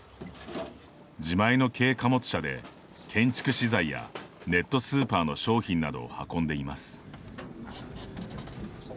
自前の軽貨物車で建築資材やネットスーパーの商品などを運んでいます。